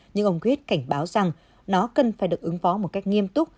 nhưng ông quyết cảnh báo rằng nó cần phải được ứng phó một cách nghiêm túc